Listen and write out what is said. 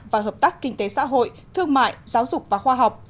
và hợp tác kinh tế xã hội thương mại giáo dục và khoa học